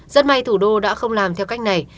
rất may thủ đô đã không làm theo cách này